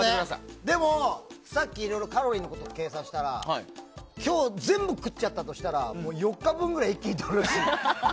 さっきいろいろカロリーを計算したら今日、全部食っちゃったとしたら４日分ぐらい一気にとるらしい。